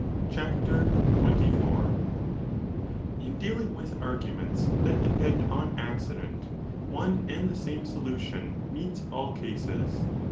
CHAPTER XXIV i 79 2 4 In dealing with arguments that depend on Accident, one and the same solution meets all cases.